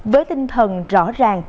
với tinh thần rõ ràng